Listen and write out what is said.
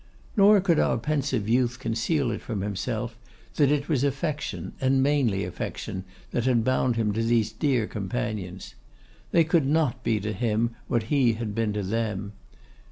Nor could our pensive youth conceal it from himself that it was affection, and mainly affection, that had bound him to these dear companions. They could not be to him what he had been to them.